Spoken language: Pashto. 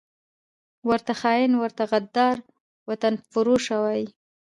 ورته خاین، ورته غدار، وطنفروشه وايي